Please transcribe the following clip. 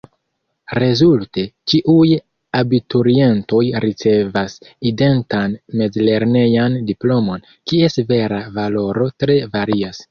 Rezulte: ĉiuj abiturientoj ricevas identan mezlernejan diplomon, kies vera valoro tre varias.